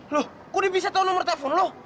loh kok dia bisa tau nomor telepon lo